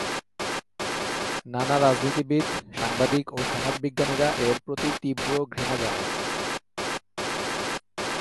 নানা রাজনীতিবিদ, সাংবাদিক ও সমাজ বিজ্ঞানীরা এর প্রতি তীব্র ঘৃণা জানায়।